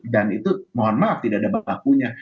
dan itu mohon maaf tidak ada bahwa